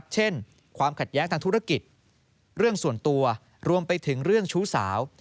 เช่นความขัดแย้งทางธุรกิจเรื่องส่วนตัวรวมไปถึงเรื่องชู้สาว